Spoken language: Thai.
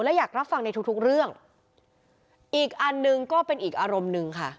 และอยากรับฟังในทุกทุกเรื่องอีกอันหนึ่งก็เป็นอีกอารมณ์หนึ่งค่ะ